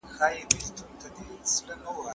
موږ باید د ټولنیز پرمختګ لپاره کار وکړو.